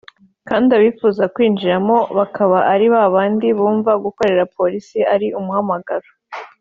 kandi abifuza kuyinjiramo bakaba ari babandi bumva gukorera Polisi ari umuhamagaro